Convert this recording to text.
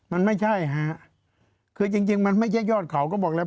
มันไม่ใช่ฮะคือจริงจริงมันไม่ใช่ยอดเขาก็บอกแล้ว